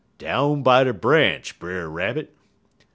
"'Down by de branch, Brer Rabbit.'